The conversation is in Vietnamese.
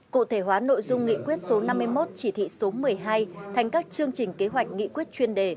cụ thể hóa nội dung nghị quyết số năm mươi một chỉ thị số một mươi hai thành các chương trình kế hoạch nghị quyết chuyên đề